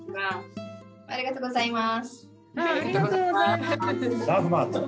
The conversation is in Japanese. ありがとうございます。